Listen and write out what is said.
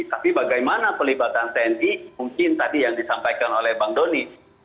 tapi bagaimana pelibatan tni mungkin tadi yang disampaikan oleh bang doni